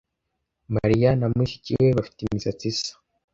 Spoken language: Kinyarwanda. Mariya na mushiki we bafite imisatsi isa.